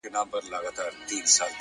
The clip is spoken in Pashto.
پوهه د ذهن افق ته رڼا ورکوي!